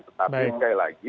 tetapi sekali lagi